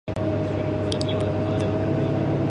ポンディシェリ連邦直轄領の首府はポンディシェリである